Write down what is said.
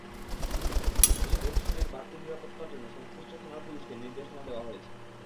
এসব অনুষ্ঠানের বাড়তি নিরাপত্তার জন্য সংশ্লিষ্ট থানার পুলিশকে নির্দেশনা দেওয়া হয়েছে।